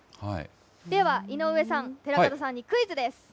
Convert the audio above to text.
では井上さん、寺門さんにクイズです。